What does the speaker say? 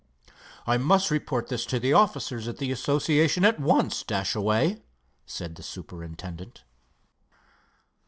"I must report this to the officers of the association at once, Dashaway," said the superintendent.